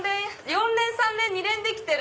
４連３連２連できてる！